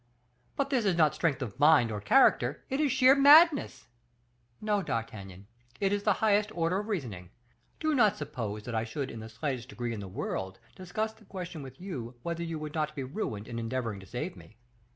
"But this is not strength of mind or character; it is sheer madness." "No, D'Artagnan, it is the highest order of reasoning. Do not suppose that I should in the slightest degree in the world discuss the question with you, whether you would not be ruined in endeavoring to save me.